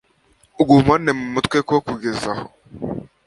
ugumane mu mutwe ko kugeza aho